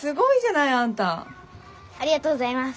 ありがとうございます。